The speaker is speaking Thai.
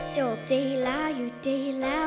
จบดีแล้วอยู่ดีแล้ว